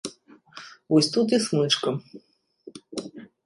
Вось тут і смычка.